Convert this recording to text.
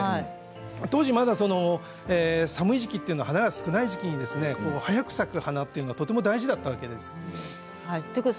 当時まだ寒い時期というのは花が少ない時期早く咲く花というのはとても大事だったわけですね。